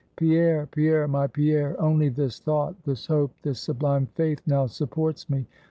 Pierre, Pierre, my Pierre! only this thought, this hope, this sublime faith now supports me.